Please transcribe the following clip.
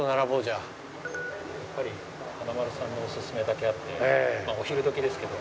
やっぱり華丸さんのおすすめだけあってお昼時ですけど。